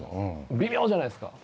微妙じゃないですか。